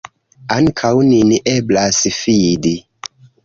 Ankaŭ nin eblas fidi.